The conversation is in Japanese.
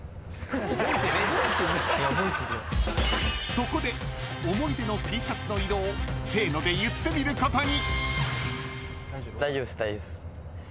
［そこで思い出のＴシャツの色をせーので言ってみることに］